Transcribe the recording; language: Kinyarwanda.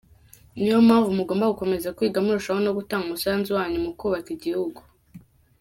Niyo mpamvu mugomba gukomeza kwiga murushaho no gutanga umusanzu wanyu mu kubaka igihugu.